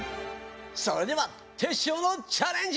それではテッショウのチャレンジ！